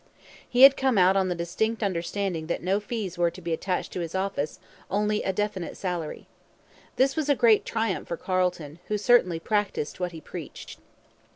He had come out on the distinct understanding that no fees were to be attached to his office, only a definite salary. This was a great triumph for Carleton, who certainly practised what he preached.